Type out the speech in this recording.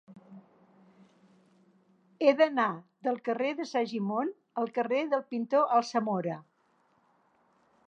He d'anar del carrer de Segimon al carrer del Pintor Alsamora.